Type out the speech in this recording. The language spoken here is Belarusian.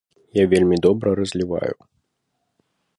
Я вельмі добра разліваю.